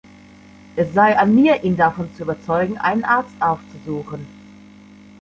Es sei an mir, ihn davon zu überzeugen, einen Arzt aufzusuchen.